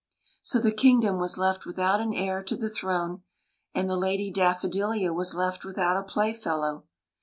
So the kingdom was left without an heir to the throne, and the Lady Daffodilia was left without a playfellow.